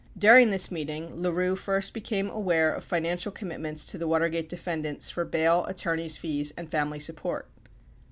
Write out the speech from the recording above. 57 During this meeting, LaRue first became aware of financial commitments to the Watergate defendants for bail, attorneys' fees and family support.